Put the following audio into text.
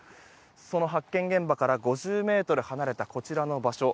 その発見現場から５０ｍ離れたこちらの場所。